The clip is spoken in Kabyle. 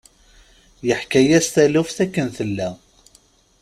Yeḥka-yas taluft akken tella.